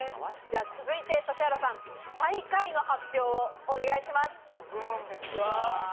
続いて指原さん、最下位の発表をお願いします。